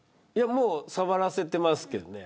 もう触らせていますけどね。